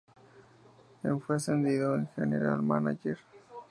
En fue ascendido a "general manager".